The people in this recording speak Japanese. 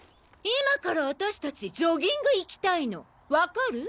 今から私達ジョギング行きたいのわかる？